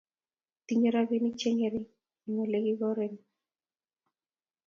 Tinyei robinik chengering eng olegigonoren eobinik